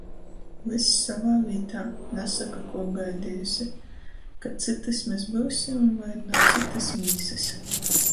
Vyss sovā vītā. Nasoka, kuo gaidiejuse. Ka cytys mes byusim voi nu cytys mīsys.